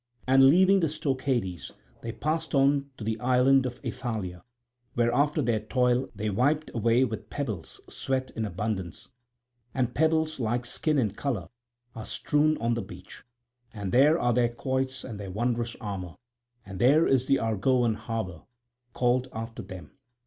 Then leaving the Stoechades they passed on to the island Aethalia, where after their toil they wiped away with pebbles sweat in abundance; and pebbles like skin in colour are strewn on the beach; and there are their quoits and their wondrous armour; and there is the Argoan harbour called after them.